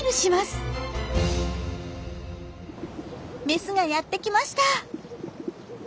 メスがやって来ました。